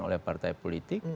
oleh partai politik